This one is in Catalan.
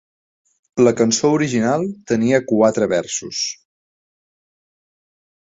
La cançó original tenia quatre versos.